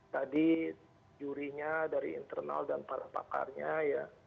tadi jurinya dari internal dan para pakarnya ya